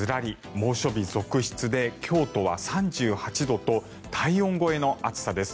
猛暑日続出で京都は３８度と体温超えの暑さです。